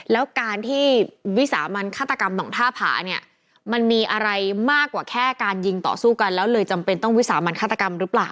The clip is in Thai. แล้วการที่วิสามันฆาตกรรมหนองท่าผาเนี่ยมันมีอะไรมากกว่าแค่การยิงต่อสู้กันแล้วเลยจำเป็นต้องวิสามันฆาตกรรมหรือเปล่า